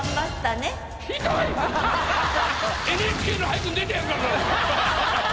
ＮＨＫの俳句に出てやるからな！